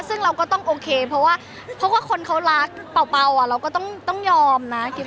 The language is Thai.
ซึ่งเราก็ต้องโอเคเพราะว่าเพราะว่าคนเขารักเป่าเราก็ต้องยอมนะ